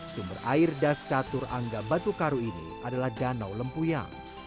sumber air das catur angga batu karu ini adalah danau lempuyang